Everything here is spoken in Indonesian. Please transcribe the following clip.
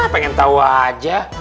pengen tau aja